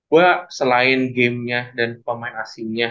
gua selain gamenya dan pemain asingnya